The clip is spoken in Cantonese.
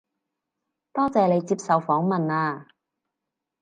多謝你接受訪問啊